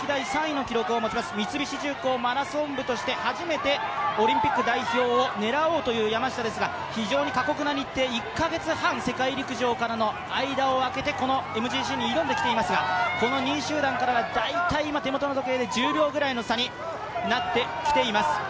三菱重工、マラソン部として初めてオリンピック日本代表を狙おうという山下ですが、非常に過酷な日程１か月半、世界陸上からの間をあけてこのＭＧＣに挑んできていますが、この２位集団からは大体１０秒くらいの差になってきています。